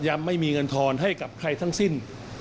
ไม่มีเงินทอนให้กับใครทั้งสิ้น